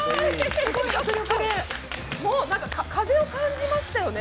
風を感じましたよね。